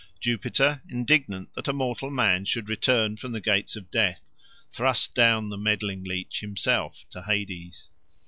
Jupiter, indignant that a mortal man should return from the gates of death, thrust down the meddling leech himself to Hades.